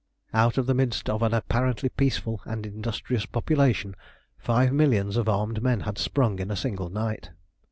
Out of the midst of an apparently peaceful and industrious population five millions of armed men had sprung in a single night.